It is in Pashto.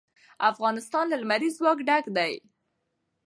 افغانستان له لمریز ځواک ډک دی.